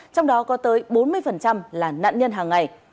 trong đó có tới bốn mươi là nạn nhân hàng ngày